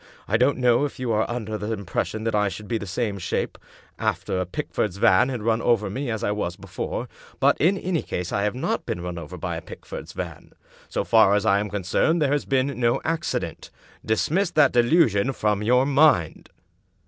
I don't know if you are under the impression that I should be the same shape after a Pickford's van had run over me as I was before; but, in any case, I have not been run over by a Pickford's van. So far as I am concerned there has been no accident. Dismiss that delusion from your mind."